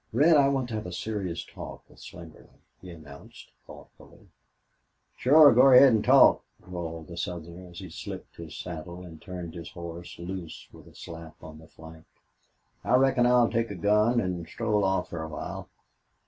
"Red, I want to have a serious talk with Slingerland," he announced, thoughtfully. "Shore; go ahaid an' talk," drawled the Southerner, as he slipped his saddle and turned his horse loose with a slap on the flank. "I reckon I'll take a gun an' stroll off fer a while."